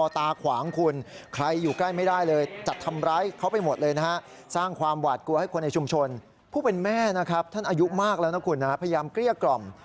ท่านอายุมากแล้วนะคุณพยายามเกลี้ยกล่อม